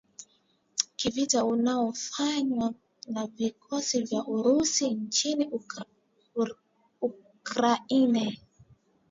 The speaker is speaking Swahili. kivita unaofanywa na vikosi vya Urusi nchini Ukraine